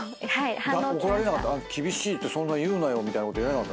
「厳しいってそんな言うなよ」みたいなこと。